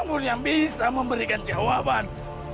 tidak ada orang yang bisa memberikan jawaban